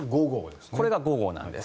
これが午後なんです。